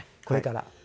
これから。